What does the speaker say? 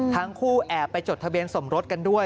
ทั้งคู่แอบไปจดทะเบียนสมรสกันด้วย